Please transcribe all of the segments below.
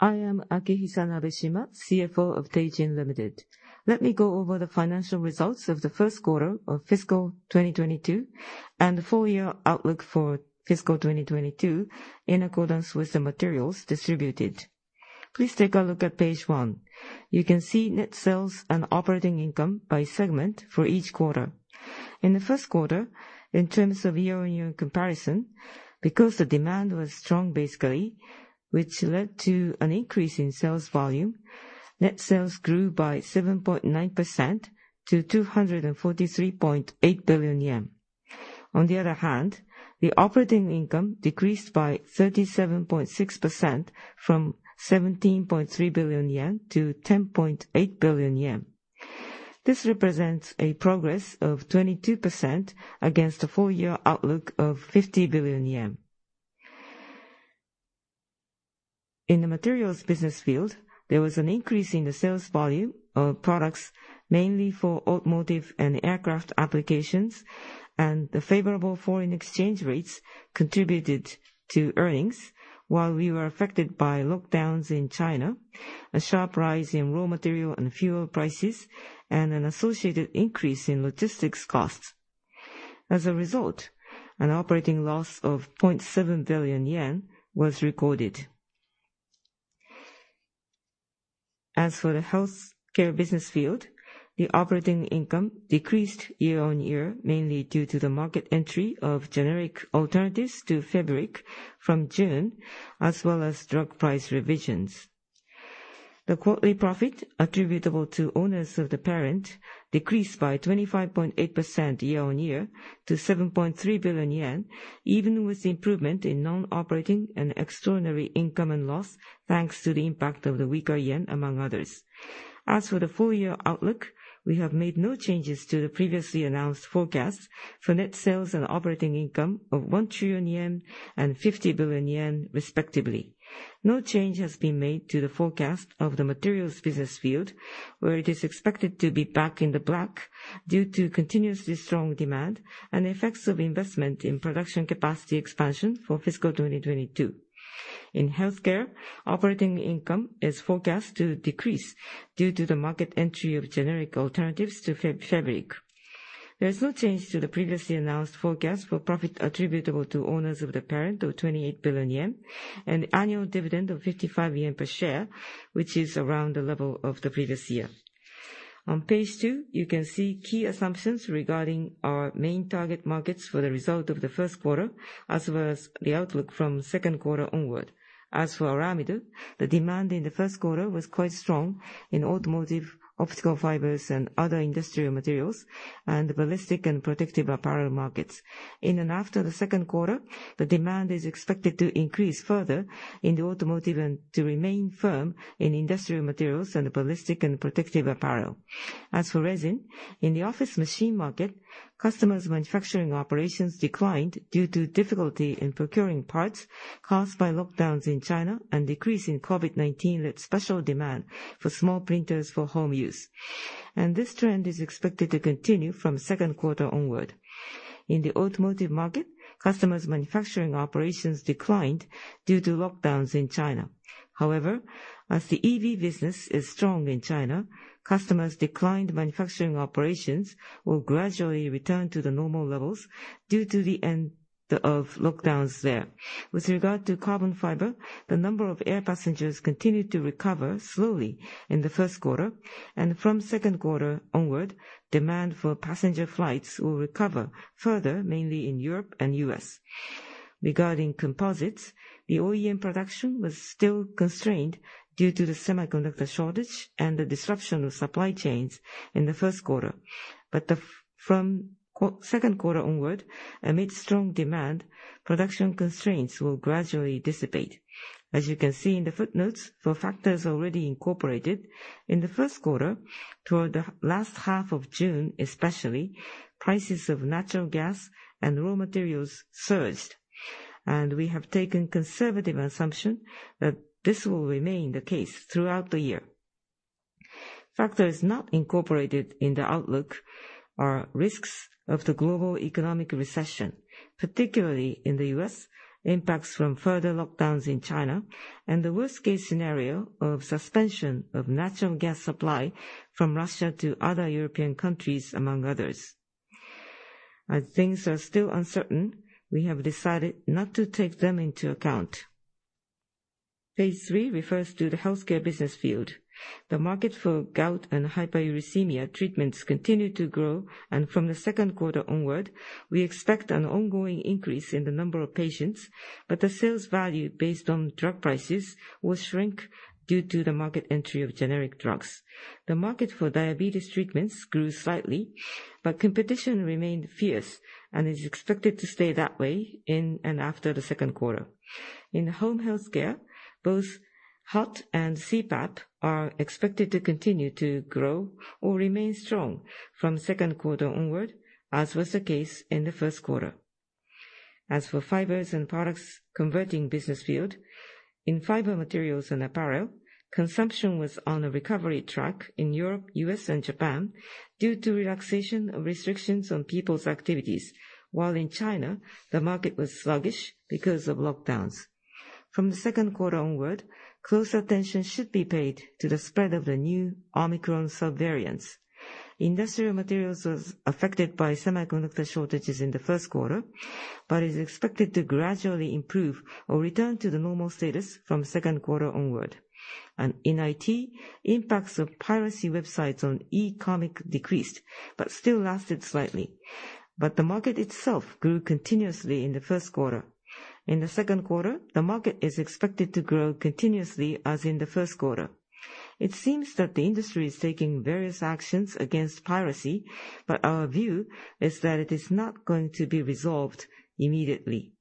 I am Akihisa Nabeshima, CFO of Teijin Limited. Let me go over the financial results of the first quarter of fiscal 2022, and the full year outlook for fiscal 2022 in accordance with the materials distributed. Please take a look at page one. You can see net sales and operating income by segment for each quarter. In the first quarter, in terms of year-on-year comparison, because the demand was strong basically, which led to an increase in sales volume, net sales grew by 7.9% to 243.8 billion yen. On the other hand, the operating income decreased by 37.6% from 17.3 billion yen to 10.8 billion yen. This represents a progress of 22% against the full year outlook of 50 billion yen. In the materials business field, there was an increase in the sales volume of products mainly for automotive and aircraft applications, and the favorable foreign exchange rates contributed to earnings while we were affected by lockdowns in China, a sharp rise in raw material and fuel prices, and an associated increase in logistics costs. As a result, an operating loss of 0.7 billion yen was recorded. As for the health care business field, the operating income decreased year-on-year, mainly due to the market entry of generic alternatives to FEBURIC from June, as well as drug price revisions. The quarterly profit attributable to owners of the parent decreased by 25.8% year-on-year to 7.3 billion yen, even with improvement in non-operating and extraordinary income and loss, thanks to the impact of the weaker yen, among others. As for the full year outlook, we have made no changes to the previously announced forecast for net sales and operating income of 1 trillion yen and 50 billion yen respectively. No change has been made to the forecast of the materials business field, where it is expected to be back in the black due to continuously strong demand and effects of investment in production capacity expansion for fiscal 2022. In healthcare, operating income is forecast to decrease due to the market entry of generic alternatives to FEBURIC. There is no change to the previously announced forecast for profit attributable to owners of the parent of 28 billion yen and annual dividend of 55 yen per share, which is around the level of the previous year. On page two, you can see key assumptions regarding our main target markets for the result of the first quarter, as well as the outlook from second quarter onward. As for aramid, the demand in the first quarter was quite strong in automotive, optical fibers, and other industrial materials, and ballistic and protective apparel markets. In and after the second quarter, the demand is expected to increase further in the automotive and to remain firm in industrial materials and ballistic and protective apparel. As for resin, in the office machine market, customers' manufacturing operations declined due to difficulty in procuring parts caused by lockdowns in China and decrease in COVID-19 with special demand for small printers for home use. This trend is expected to continue from second quarter onward. In the automotive market, customers' manufacturing operations declined due to lockdowns in China. However, as the EV business is strong in China, customers' declined manufacturing operations will gradually return to the normal levels due to the end of lockdowns there. With regard to carbon fiber, the number of air passengers continued to recover slowly in the first quarter, and from second quarter onward, demand for passenger flights will recover further, mainly in Europe and U.S. Regarding composites, the OEM production was still constrained due to the semiconductor shortage and the disruption of supply chains in the first quarter. From second quarter onward, amid strong demand, production constraints will gradually dissipate. As you can see in the footnotes, for factors already incorporated in the first quarter, toward the latter half of June especially, prices of natural gas and raw materials surged, and we have taken conservative assumption that this will remain the case throughout the year. Factors not incorporated in the outlook are risks of the global economic recession, particularly in the U.S., impacts from further lockdowns in China, and the worst-case scenario of suspension of natural gas supply from Russia to other European countries, among others. As things are still uncertain, we have decided not to take them into account. Page three refers to the healthcare business field. The market for gout and hyperuricemia treatments continue to grow, and from the second quarter onward, we expect an ongoing increase in the number of patients, but the sales value based on drug prices will shrink due to the market entry of generic drugs. The market for diabetes treatments grew slightly, but competition remained fierce and is expected to stay that way in and after the second quarter. In home healthcare, both HOT and CPAP are expected to continue to grow or remain strong from second quarter onward, as was the case in the first quarter. As for fibers and products converting business field, in fiber materials and apparel, consumption was on a recovery track in Europe, U.S., and Japan due to relaxation of restrictions on people's activities, while in China, the market was sluggish because of lockdowns. From the second quarter onward, close attention should be paid to the spread of the new Omicron sub-variants. Industrial materials was affected by semiconductor shortages in the first quarter, but is expected to gradually improve or return to the normal status from second quarter onward. In IT, impacts of piracy websites on e-comic decreased, but still lasted slightly. The market itself grew continuously in the first quarter. In the second quarter, the market is expected to grow continuously as in the first quarter. It seems that the industry is taking various actions against piracy, but our view is that it is not going to be resolved immediately.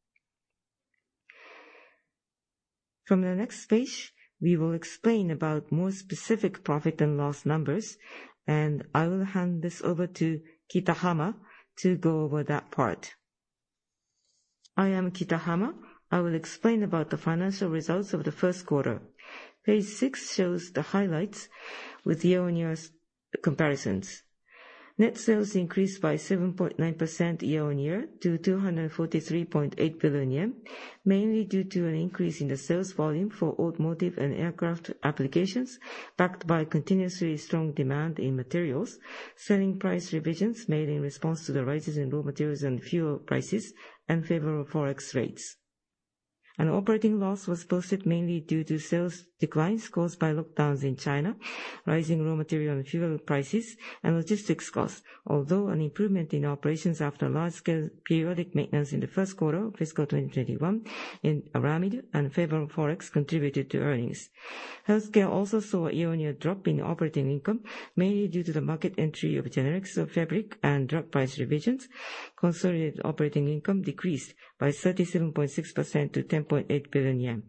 From the next page, we will explain about more specific profit and loss numbers, and I will hand this over to Kitahama to go over that part. I am Kitahama. I will explain about the financial results of the first quarter. Page six shows the highlights with year-on-year comparisons. Net sales increased by 7.9% year-on-year to 243.8 billion yen, mainly due to an increase in the sales volume for automotive and aircraft applications, backed by continuously strong demand in materials, selling price revisions made in response to the rises in raw materials and fuel prices, and favorable Forex rates. An operating loss was posted mainly due to sales declines caused by lockdowns in China, rising raw material and fuel prices, and logistics costs. Although an improvement in operations after large-scale periodic maintenance in the first quarter of fiscal 2021 in aramid and favorable Forex contributed to earnings. Healthcare also saw a year-on-year drop in operating income, mainly due to the market entry of generics of FEBURIC and drug price revisions. Consolidated operating income decreased by 37.6% to 10.8 billion yen.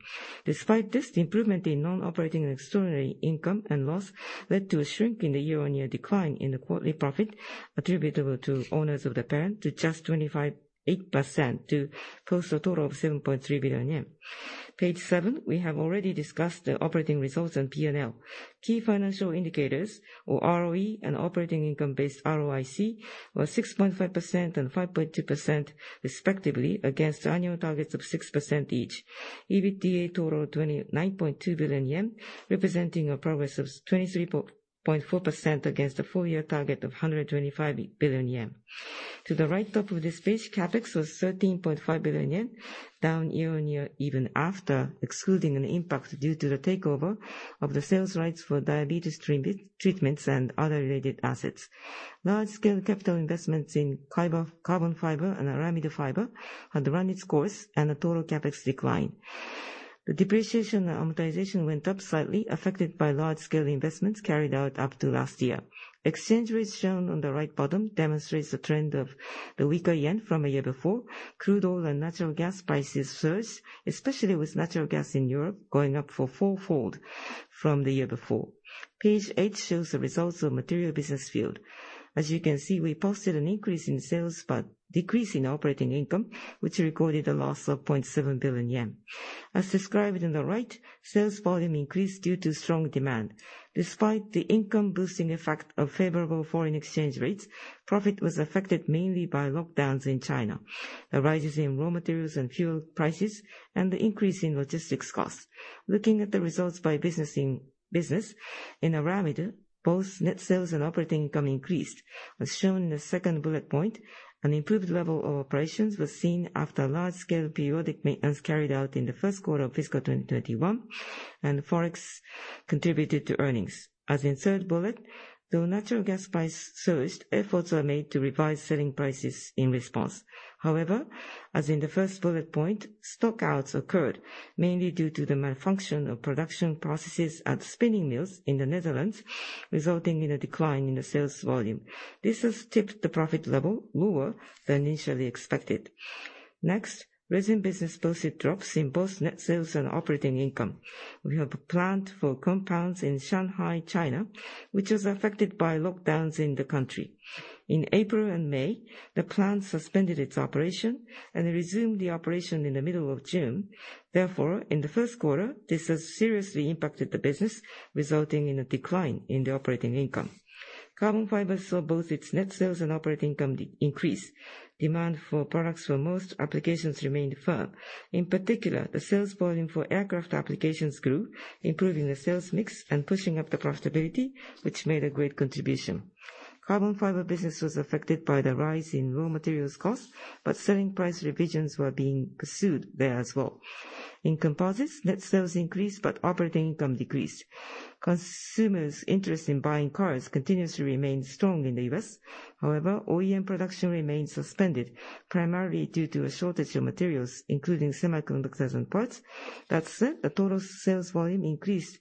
Despite this, the improvement in non-operating and extraordinary income and loss led to a shrink in the year-on-year decline in the quarterly profit attributable to owners of the parent to just 25.8% to post a total of 7.3 billion yen. Page seven, we have already discussed the operating results on P&L. Key financial indicators for ROE and operating income-based ROIC were 6.5% and 5.2% respectively against annual targets of 6% each. EBITDA total of 29.2 billion yen, representing a progress of 23.4% against the full-year target of 125 billion yen. To the right top of this page, CapEx was 13.5 billion yen, down year-on-year even after excluding an impact due to the takeover of the sales rights for diabetes treatments and other related assets. Large-scale capital investments in carbon fiber and aramid fiber had run its course and the total CapEx declined. The depreciation and amortization went up slightly, affected by large-scale investments carried out up to last year. Exchange rates shown on the right bottom demonstrates the trend of the weaker yen from a year before. Crude oil and natural gas prices surged, especially with natural gas in Europe going up fourfold from the year before. Page eight shows the results of material business field. As you can see, we posted an increase in sales, but decrease in operating income, which recorded a loss of 0.7 billion yen. As described on the right, sales volume increased due to strong demand. Despite the income boosting effect of favorable foreign exchange rates, profit was affected mainly by lockdowns in China, the rises in raw materials and fuel prices, and the increase in logistics costs. Looking at the results by business, in aramid, both net sales and operating income increased. As shown in the second bullet point, an improved level of operations was seen after large-scale periodic maintenance carried out in the first quarter of fiscal 2021, and Forex contributed to earnings. As in third bullet, though natural gas price surged, efforts were made to revise selling prices in response. However, as in the first bullet point, stockouts occurred mainly due to the malfunction of production processes at spinning mills in the Netherlands, resulting in a decline in the sales volume. This has tipped the profit level lower than initially expected. Next, resin business posted drops in both net sales and operating income. We have a plant for compounds in Shanghai, China, which was affected by lockdowns in the country. In April and May, the plant suspended its operation and resumed the operation in the middle of June. Therefore, in the first quarter, this has seriously impacted the business, resulting in a decline in the operating income. Carbon fibers saw both its net sales and operating income decrease. Demand for products for most applications remained firm. In particular, the sales volume for aircraft applications grew, improving the sales mix and pushing up the profitability, which made a great contribution. Carbon fiber business was affected by the rise in raw materials costs, but selling price revisions were being pursued there as well. In composites, net sales increased, but operating income decreased. Consumers' interest in buying cars continues to remain strong in the U.S. However, OEM production remains suspended, primarily due to a shortage of materials, including semiconductors and parts. That said, the total sales volume increased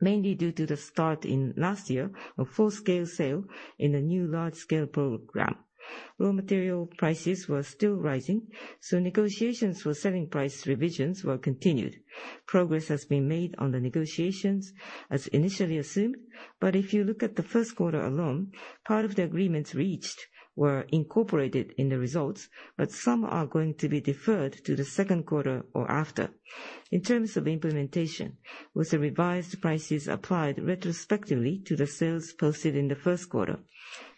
mainly due to the start in last year of full-scale sale in a new large-scale program. Raw material prices were still rising, so negotiations for selling price revisions were continued. Progress has been made on the negotiations, as initially assumed. If you look at the first quarter alone, part of the agreements reached were incorporated in the results, but some are going to be deferred to the second quarter or after. In terms of implementation, with the revised prices applied retrospectively to the sales posted in the first quarter,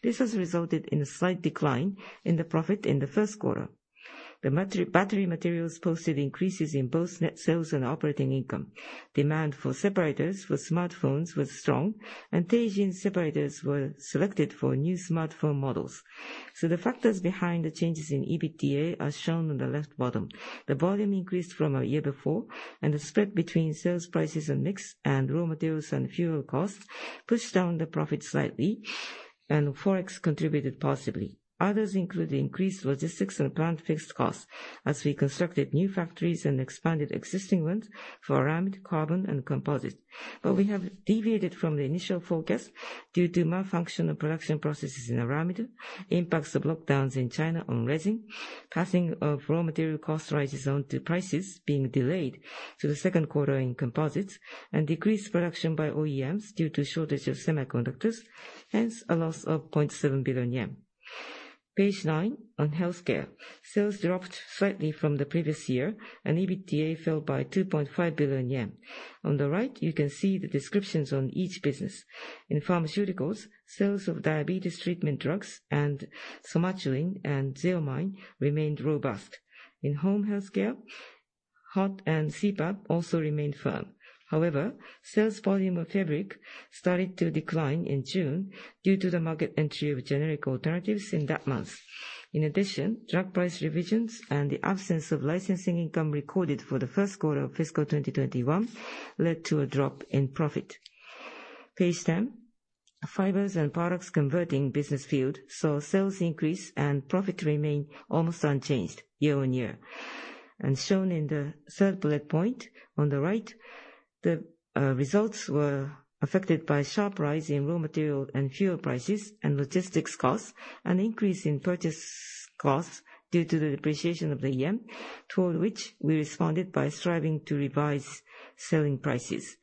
this has resulted in a slight decline in the profit in the first quarter. The battery materials posted increases in both net sales and operating income. Demand for separators for smartphones was strong, and Teijin separators were selected for new smartphone models. The factors behind the changes in EBITDA are shown on the left bottom. The volume increased from a year before, and the spread between sales prices and mix, and raw materials and fuel costs pushed down the profit slightly, and Forex contributed positively. Others include the increased logistics and plant fixed costs as we constructed new factories and expanded existing ones for aramid, carbon, and composites. We have deviated from the initial forecast due to malfunction of production processes in aramid, impacts of lockdowns in China on resin, passing of raw material cost rises on to prices being delayed to the second quarter in composites, and decreased production by OEMs due to shortage of semiconductors, hence a loss of 0.7 billion yen. Page nine, on healthcare. Sales dropped slightly from the previous year, and EBITDA fell by 2.5 billion yen. On the right, you can see the descriptions on each business. In pharmaceuticals, sales of diabetes treatment drugs and Somatuline and Xeomin remained robust. In home healthcare, HOT and CPAP also remained firm. However, sales volume of FEBURIC started to decline in June due to the market entry of generic alternatives in that month. In addition, drug price revisions and the absence of licensing income recorded for the first quarter of fiscal 2021 led to a drop in profit. Page 10, fibers and products converting business field saw sales increase and profit remain almost unchanged year-on-year. Shown in the third bullet point on the right, the results were affected by sharp rise in raw material and fuel prices and logistics costs, an increase in purchase costs due to the depreciation of the yen, toward which we responded by striving to revise selling prices.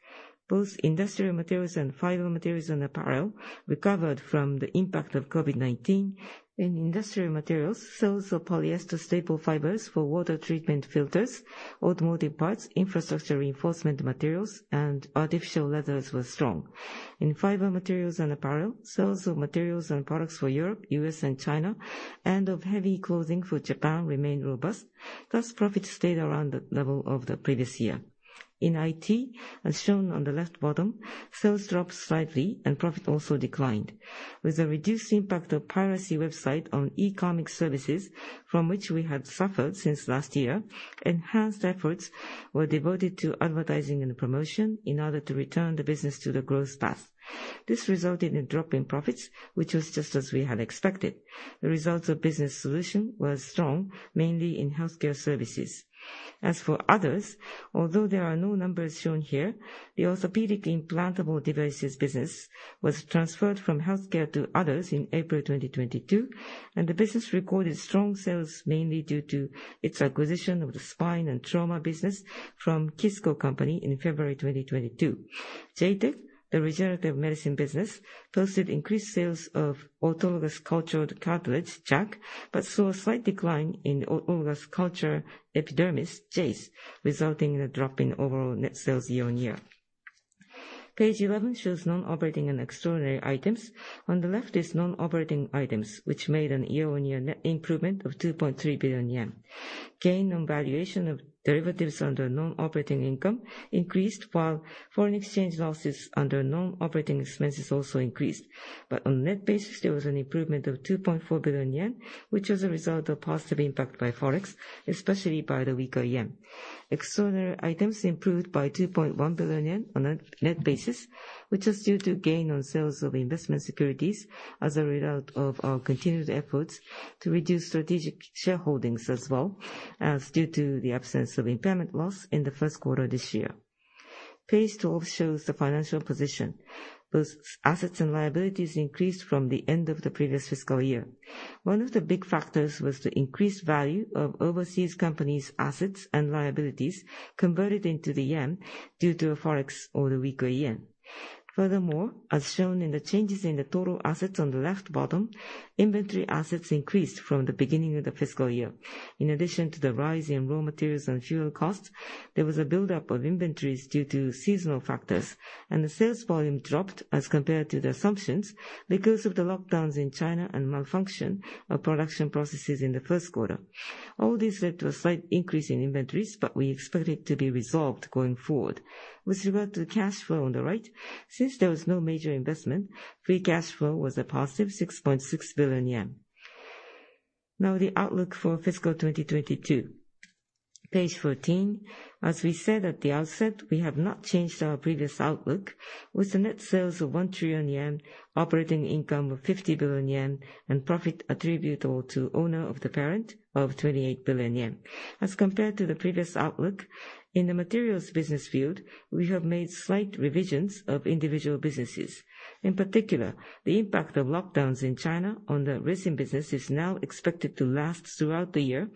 Both industrial materials and fiber materials and apparel recovered from the impact of COVID-19. In industrial materials, sales of polyester staple fibers for water treatment filters, automotive parts, infrastructure reinforcement materials, and artificial leathers were strong. In fiber materials and apparel, sales of materials and products for Europe, U.S., and China, and of heavy clothing for Japan remained robust. Thus, profits stayed around the level of the previous year. In IT, as shown on the left bottom, sales dropped slightly and profit also declined. With the reduced impact of piracy website on e-commerce services, from which we had suffered since last year, enhanced efforts were devoted to advertising and promotion in order to return the business to the growth path. This resulted in a drop in profits, which was just as we had expected. The results of business solution was strong, mainly in healthcare services. As for others, although there are no numbers shown here, the orthopedic implantable devices business was transferred from healthcare to others in April 2022, and the business recorded strong sales, mainly due to its acquisition of the spine and trauma business from KiSCO Company in February 2022. J-TEC, the regenerative medicine business, posted increased sales of Autologous Cultured Cartilage, JACC, but saw a slight decline in Autologous Cultured Epidermis, JACE, resulting in a drop in overall net sales year-on-year. Page 11 shows non-operating and extraordinary items. On the left is non-operating items, which made a year-on-year net improvement of 2.3 billion yen. Gain on valuation of derivatives under non-operating income increased, while foreign exchange losses under non-operating expenses also increased. On net basis, there was an improvement of 2.4 billion yen, which was a result of positive impact by Forex, especially by the weaker yen. Extraordinary items improved by 2.1 billion yen on a net basis, which was due to gain on sales of investment securities as a result of our continued efforts to reduce strategic shareholdings as well as due to the absence of impairment loss in the first quarter this year. Page 12 shows the financial position. Both assets and liabilities increased from the end of the previous fiscal year. One of the big factors was the increased value of overseas companies' assets and liabilities converted into the yen due to Forex or the weaker yen. Furthermore, as shown in the changes in the total assets on the left bottom, inventory assets increased from the beginning of the fiscal year. In addition to the rise in raw materials and fuel costs, there was a buildup of inventories due to seasonal factors, and the sales volume dropped as compared to the assumptions because of the lockdowns in China and malfunction of production processes in the first quarter. All this led to a slight increase in inventories, but we expect it to be resolved going forward. With regard to the cash flow on the right, since there was no major investment, free cash flow was a +6.6 billion yen. Now, the outlook for fiscal 2022. Page 14. As we said at the outset, we have not changed our previous outlook, with the net sales of 1 trillion yen, operating income of 50 billion yen, and profit attributable to owner of the parent of 28 billion yen. As compared to the previous outlook, in the materials business field, we have made slight revisions of individual businesses. In particular, the impact of lockdowns in China on the resin business is now expected to last throughout the year,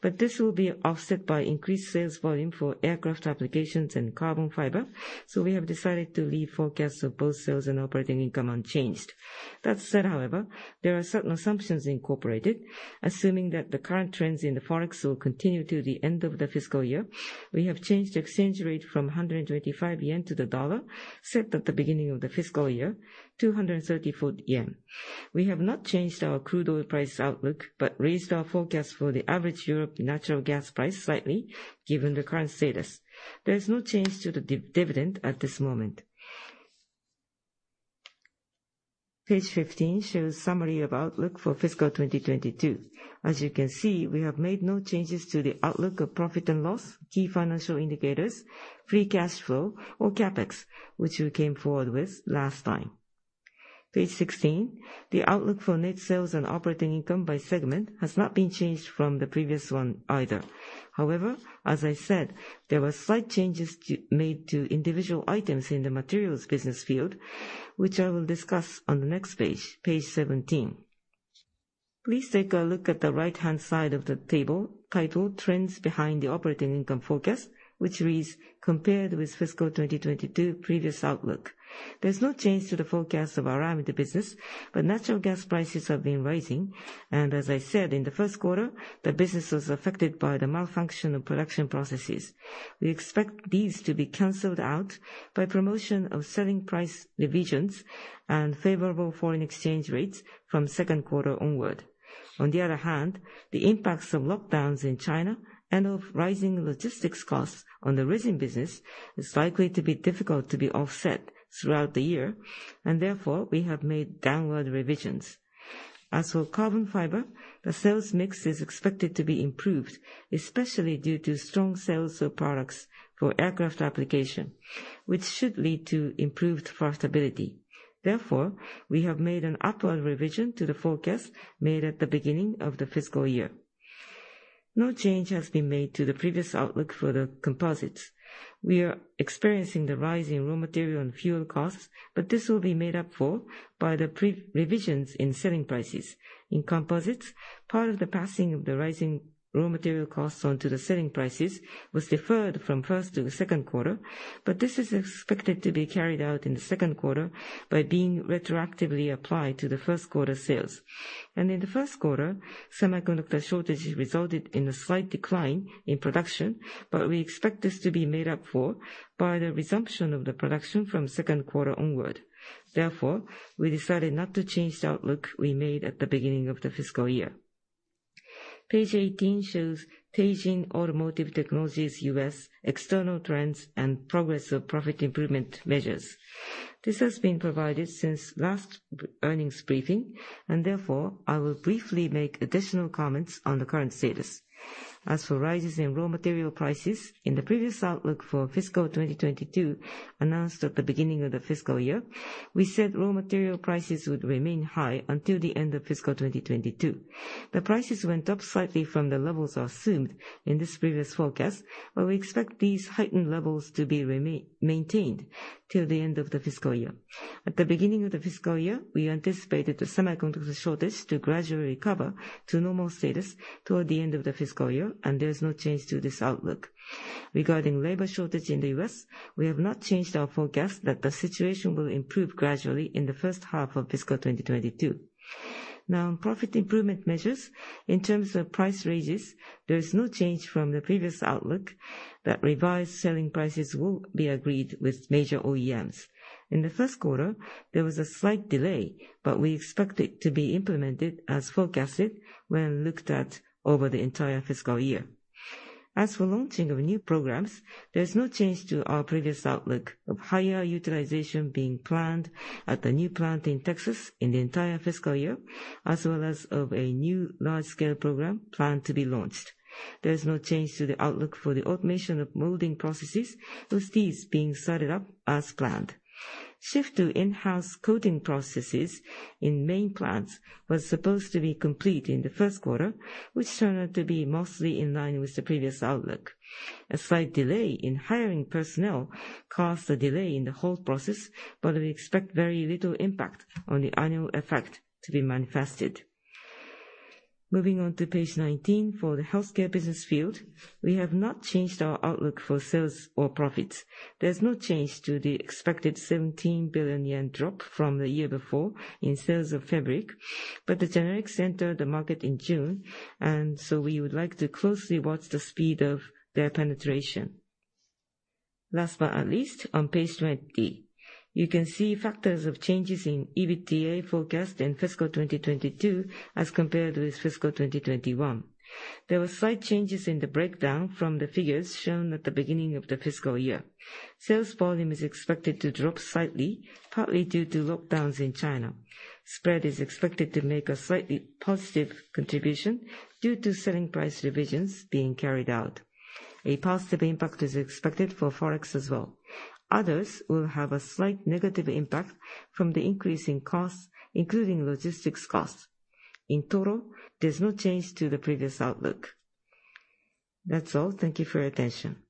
but this will be offset by increased sales volume for aircraft applications and carbon fiber. We have decided to leave forecasts of both sales and operating income unchanged. That said, however, there are certain assumptions incorporated, assuming that the current trends in the Forex will continue to the end of the fiscal year. We have changed the exchange rate from 125 yen to the dollar, set at the beginning of the fiscal year to JPY 134. We have not changed our crude oil price outlook, but raised our forecast for the average Europe natural gas price slightly, given the current status. There is no change to the dividend at this moment. Page 15 shows summary of outlook for fiscal 2022. As you can see, we have made no changes to the outlook of profit and loss, key financial indicators, free cash flow or CapEx, which we came forward with last time. Page 16, the outlook for net sales and operating income by segment has not been changed from the previous one either. However, as I said, there were slight changes made to individual items in the materials business field, which I will discuss on the next page, page 17. Please take a look at the right-hand side of the table titled Trends Behind the Operating Income Forecast, which reads, "Compared with fiscal 2022 previous outlook." There's no change to the forecast of our aramid business, but natural gas prices have been rising. As I said, in the first quarter, the business was affected by the malfunction of production processes. We expect these to be canceled out by promotion of selling price revisions and favorable foreign exchange rates from second quarter onward. On the other hand, the impacts of lockdowns in China and of rising logistics costs on the resin business is likely to be difficult to be offset throughout the year, and therefore, we have made downward revisions. As for carbon fiber, the sales mix is expected to be improved, especially due to strong sales of products for aircraft application, which should lead to improved profitability. Therefore, we have made an upward revision to the forecast made at the beginning of the fiscal year. No change has been made to the previous outlook for the composites. We are experiencing the rise in raw material and fuel costs, but this will be made up for by the price revisions in selling prices. In composites, part of the passing of the rising raw material costs on to the selling prices was deferred from first to the second quarter, but this is expected to be carried out in the second quarter by being retroactively applied to the first quarter sales. In the first quarter, semiconductor shortages resulted in a slight decline in production, but we expect this to be made up for by the resumption of the production from second quarter onward. Therefore, we decided not to change the outlook we made at the beginning of the fiscal year. Page 18 shows Teijin Automotive Technologies U.S. external trends and progress of profit improvement measures. This has been provided since last earnings briefing, and therefore, I will briefly make additional comments on the current status. As for rises in raw material prices, in the previous outlook for fiscal 2022 announced at the beginning of the fiscal year, we said raw material prices would remain high until the end of fiscal 2022. The prices went up slightly from the levels assumed in this previous forecast, but we expect these heightened levels to be maintained till the end of the fiscal year. At the beginning of the fiscal year, we anticipated the semiconductor shortage to gradually recover to normal status toward the end of the fiscal year, and there is no change to this outlook. Regarding labor shortage in the U.S., we have not changed our forecast that the situation will improve gradually in the first half of fiscal 2022. Now, on profit improvement measures, in terms of price raises, there is no change from the previous outlook that revised selling prices will be agreed with major OEMs. In the first quarter, there was a slight delay, but we expect it to be implemented as forecasted when looked at over the entire fiscal year. As for launching of new programs, there is no change to our previous outlook of higher utilization being planned at the new plant in Texas in the entire fiscal year, as well as of a new large-scale program planned to be launched. There is no change to the outlook for the automation of molding processes, with these being started up as planned. Shift to in-house coating processes in main plants was supposed to be complete in the first quarter, which turned out to be mostly in line with the previous outlook. A slight delay in hiring personnel caused a delay in the whole process, but we expect very little impact on the annual effect to be manifested. Moving on to page 19 for the healthcare business field. We have not changed our outlook for sales or profits. There's no change to the expected 17 billion yen drop from the year before in sales of FEBURIC, but the generics entered the market in June, and so we would like to closely watch the speed of their penetration. Last but not least, on page 20, you can see factors of changes in EBITDA forecast in fiscal 2022 as compared with fiscal 2021. There were slight changes in the breakdown from the figures shown at the beginning of the fiscal year. Sales volume is expected to drop slightly, partly due to lockdowns in China. Spread is expected to make a slightly positive contribution due to selling price revisions being carried out. A positive impact is expected for Forex as well. Others will have a slight negative impact from the increase in costs, including logistics costs. In total, there's no change to the previous outlook. That's all. Thank you for your attention.